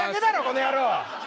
この野郎！